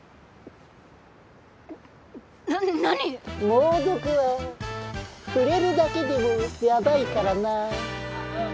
猛毒は触れるだけでもやばいからなぁ。